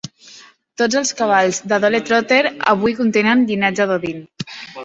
Tots els cavalls de Dole Trotter avui contenen llinatge d'Odin.